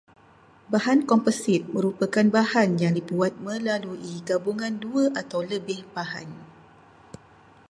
Bahan komposit merupakan bahan yang dibuat melalui gabungan dua atau lebih bahan